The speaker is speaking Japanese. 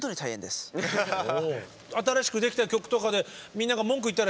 新しくできた曲とかでみんなが文句言ったりはしないの？